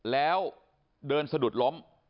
แล้วเดินสะดุดล้ม